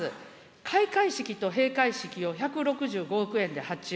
開会式と閉会式を１６５億円で発注。